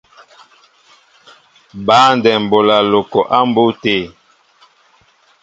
Băndɛm bola loko a mbu té.